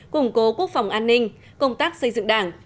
củng cố quốc phòng an ninh công tác xây dựng đảng